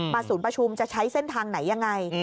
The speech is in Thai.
ศูนย์ประชุมจะใช้เส้นทางไหนยังไง